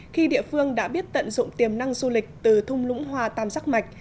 khi địa phương đã biết tận dụng tiềm năng du lịch từ thung lũng hoa tam sắc mạch